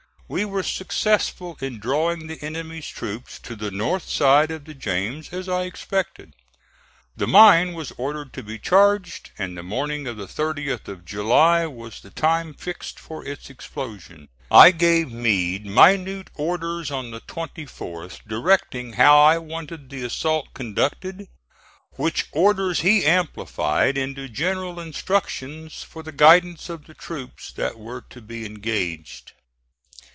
We were successful in drawing the enemy's troops to the north side of the James as I expected. The mine was ordered to be charged, and the morning of the 30th of July was the time fixed for its explosion. I gave Meade minute orders (*38) on the 24th directing how I wanted the assault conducted, which orders he amplified into general instructions for the guidance of the troops that were to be engaged.